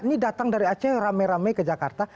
ini datang dari aceh rame rame ke jakarta